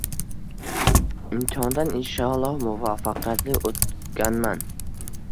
Imtihondan inshaalloh muvaffaqiyatli oʻtganman.